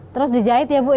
terus dijahit ya bu ya